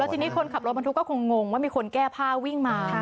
ทีนี้คนขับรถบรรทุกก็คงงว่ามีคนแก้ผ้าวิ่งมา